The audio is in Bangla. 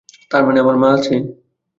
তারমানে, আমার মা আছে।